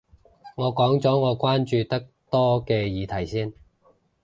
我講咗我關注得多嘅議題先